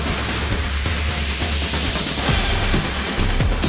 เส้นแสดงวันตอนด้วย